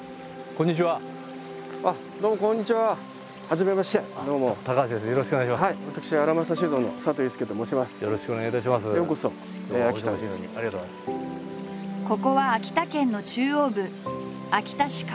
ここは秋田県の中央部秋田市河辺地区。